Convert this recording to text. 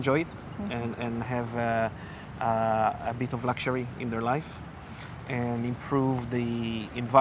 jadi semua orang bisa menikmatinya dan memiliki sedikit kemampuan di hidup mereka